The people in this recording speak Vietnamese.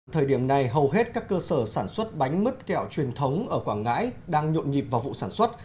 thời điểm này hầu hết các cơ sở sản xuất bánh mứt kẹo truyền thống ở quảng ngãi đang nhộn nhịp vào vụ sản xuất